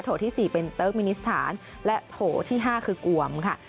ที่๔เป็นเติร์กมินิสถานและโถที่๕คือกวมค่ะ